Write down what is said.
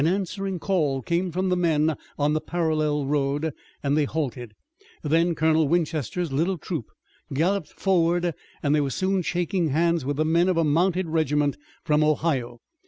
An answering call came from the men on the parallel road, and they halted. Then Colonel Winchester's little troop galloped forward and they were soon shaking hands with the men of a mounted regiment from Ohio.